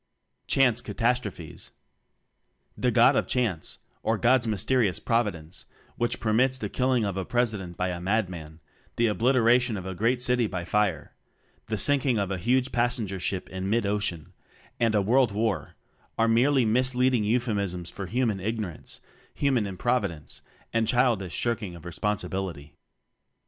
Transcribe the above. "Chance" Catastrophes. The "God of Chance" or "God's mysterious providence" which per mits the killing of a President by a madman; the obliteration of a great city by fire; the sinking of a huge pas senger ship in mid ocean; and a world war are merely misleading euphemisms for human ignorance, human improvidence, and childish shirking of responsibility.